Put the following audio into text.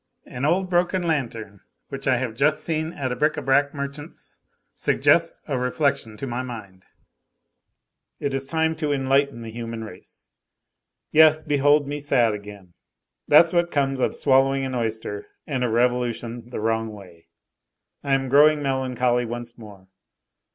An old broken lantern which I have just seen at a bric à brac merchant's suggests a reflection to my mind; it is time to enlighten the human race. Yes, behold me sad again. That's what comes of swallowing an oyster and a revolution the wrong way! I am growing melancholy once more.